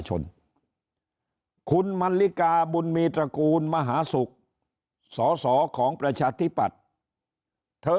ชนคุณมันลิกาบุญมีตระกูลมหาศุกร์สอสอของประชาธิปัตย์เธอ